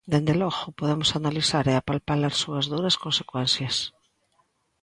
Dende logo, podemos analizar e apalpar as súas duras consecuencias.